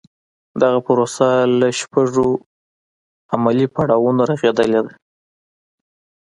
دغه پروسه له شپږو عملي پړاوونو رغېدلې ده.